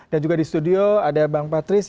dan juga di studio ada bang patris